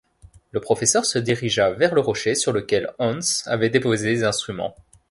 Le professeur se dirigea vers le rocher sur lequel Hans avait déposé les instruments.